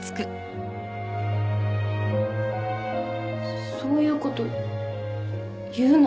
そそういうこと言うなよ。